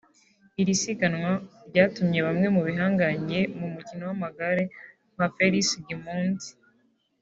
Iri siganwa ryatumye bamwe mu bihangange mu mukino w’amagare nka Felice Gimondi